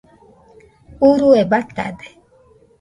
urue batade